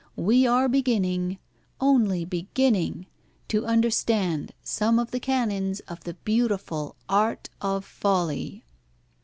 We are beginning, only beginning, to understand some of the canons of the beautiful art of folly."